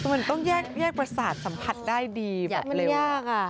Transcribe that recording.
มันต้องแยกประสาทสัมผัสได้ดีแบบเร็วมาก